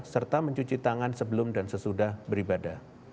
serta mencuci tangan sebelum dan sesudah beribadah